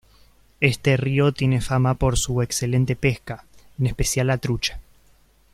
Este río tiene fama por su excelente pesca, en especial la trucha.